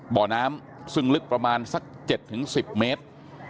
บ่อน้ำซึ่งลึกประมาณสัก๗๑๐เมตร